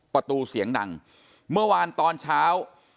ประตูเสียงดังเมื่อวานตอนเช้า